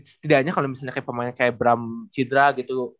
setidaknya kalo misalnya pemain kayak bram cidra gitu